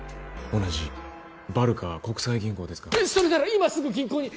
同じバルカ国際銀行ですがそれなら今すぐ銀行に！